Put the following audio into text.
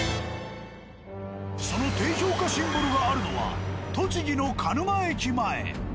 その低評価シンボルがあるのは栃木の鹿沼駅前。